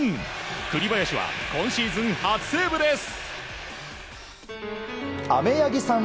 栗林は今シーズン初セーブです。